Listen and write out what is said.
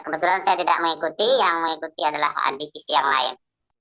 kebetulan saya tidak mengikuti yang mengikuti adalah adivisi yang lain